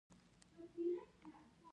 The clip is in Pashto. د خبرونو چاینل راواړوه!